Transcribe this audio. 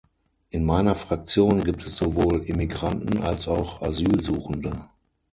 In meiner Fraktion gibt es sowohl Immigranten als auch Asylsuchende.